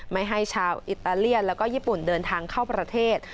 ไม่ให้ชาวอิตาเลียนแล้วก็ญี่ปุ่นเดินทางเข้าประเทศ